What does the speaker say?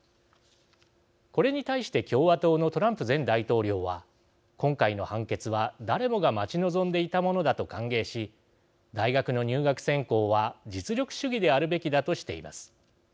これに対して共和党のトランプ前大統領は今回の判決は、誰もが待ち望んでいたものだと歓迎し大学の入学選考は実力主義であるべきだとしています。